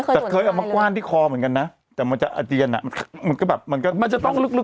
แต่เคยเอามากว้านที่คอเหมือนกันนะแต่มันจะอาเจียนอ่ะมันก็แบบมันก็มันจะต้องลึก